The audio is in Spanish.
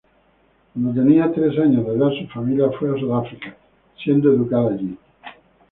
Cuando tenía tres años de edad su familia fue a Sudáfrica, siendo educada allí.